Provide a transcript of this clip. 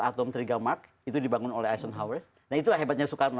satu reaktor atom trigamark itu dibangun oleh eisenhower nah itulah hebatnya soekarno